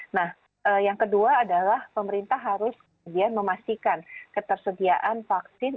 nah yang kedua adalah pemerintah harus memastikan ketersediaan vaksin